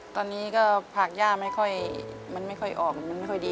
ตอนนี้ก็ผักย่าไม่ค่อยมันไม่ค่อยออกมันไม่ค่อยดี